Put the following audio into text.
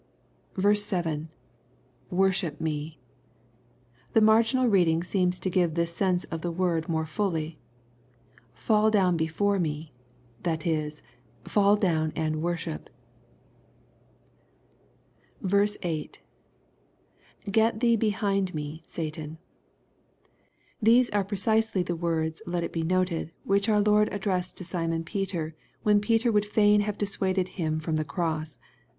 7. — [Worthip me.] The marginal reading seems to give the sense of the word more fully, —" fidl down before me," that is, " fall down and worship." 6. — [€ht ihee lehind me, Satan.] These are precisely the words, let it be noted, which our Lord addressed to Simon Peter, when Peter would rain have dissuaded Him from the cross.